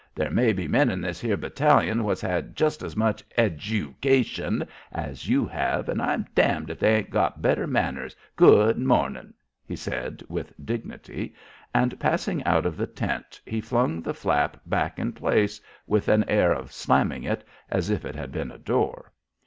There may be men in this here battalion what's had just as much edjewcation as you have, and I'm damned if they ain't got better manners. Good mornin'," he said, with dignity; and, passing out of the tent, he flung the flap back in place with an air of slamming it as if it had been a door.